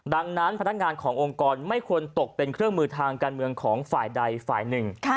ดังนั้นพนักงานขององค์กรไม่ควรตกเป็นเครื่องมือทางการเมืองของฝ่ายใดฝ่ายหนึ่ง